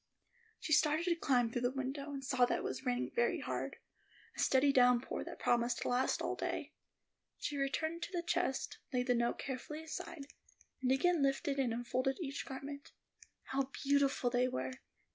She started to climb through the window, and saw that it was raining very hard; a steady downpour that promised to last all day. She returned to the chest, laid the note carefully aside, and again lifted out and unfolded each garment. How beautiful they were!